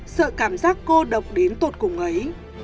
sợ cảm giác cô độc đến tụt cùng ấy